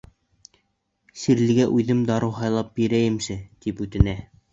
Сирлегә үҙем дарыу һайлап бирәйемсе, — тип үтенә.